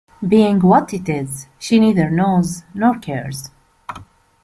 Being what it is, she neither knows nor cares.